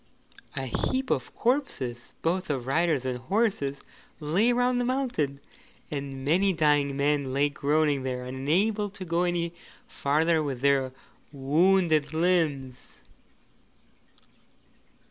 A heap of corpses both of riders and horses lay round the mountain, and many dying men lay groaning there unable to go any farther with their wounded limbs.